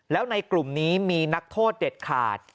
แล้วในกลุ่มนี้มีนักโทษเด็ดขาด